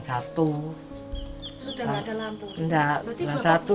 sudah tidak ada lampu